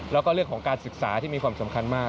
แล้วก็เรื่องของการศึกษาที่มีความสำคัญมาก